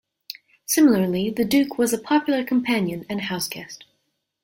Similarly the Duke was a popular companion and house guest.